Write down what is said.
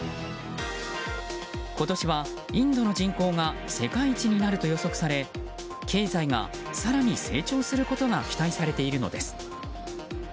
今年はインドの人口が世界一になると予測され経済が、更に成長することが期待されているのです。